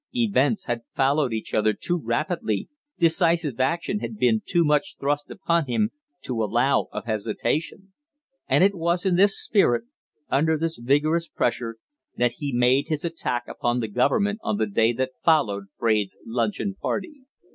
Events had followed each other too rapidly, decisive action had been too much thrust upon him, to allow of hesitation; and it was in this spirit, under this vigorous pressure, that he made his attack upon the government on the day that followed Fraide's luncheon party.